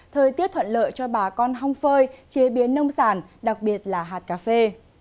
thời tiết thuận lợi cho bà con hong phơi chế biến nông sản đặc biệt là hạt cà phê